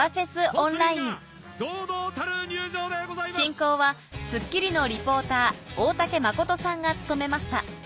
オンライン進行は『スッキリ』のリポーター大竹真さんが務めました